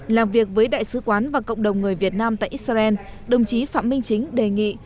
làm việc với đại sứ quán và cộng đồng người việt nam tại israel đồng chí phạm minh chính đề nghị